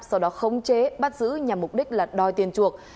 sau đó khống chế bắt giữ nhằm mục đích là đòi tiền chuộc